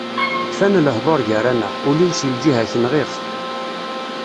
Kfan lehdur gar-aneɣ, ul-iw si lǧiha-k nɣiɣ-t.